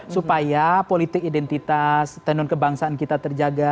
supaya politik identitas tenun kebangsaan kita terjaga